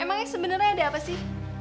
emangnya sebenarnya ada apa sih